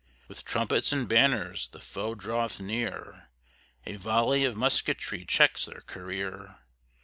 With trumpets and banners the foe draweth near: A volley of musketry checks their career!